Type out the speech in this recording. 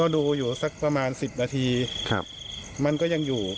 ดูอยู่สักประมาณ๑๐นาทีมันก็ยังอยู่